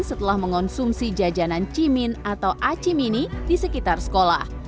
setelah mengonsumsi jajanan cimin atau acimini di sekitar sekolah